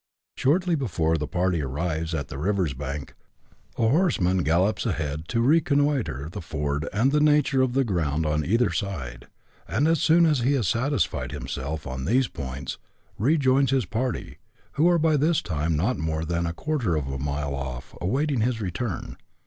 Shortly before the party arrives at the river's bank, a horseman gallops ahead to reconnoitre the ford and the nature of the ground on either side, and, as soon as he has satisfied himself on 144 BUSH LIFE IN AUSTRALIA. [chap, xm these points, rejoins his party, who are by this time not more than a quarter of a mile off, awaiting his return.